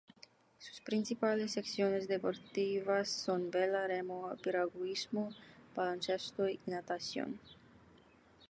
Sus principales secciones deportivas son vela, remo, piragüismo, baloncesto y natación.